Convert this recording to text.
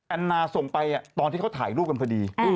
นาส่งไปตอนที่เขาถ่ายรูปกันพอดี